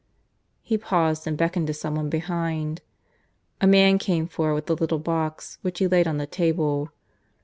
He paused and beckoned to some one behind. A man came forward with a little box which he laid on the table.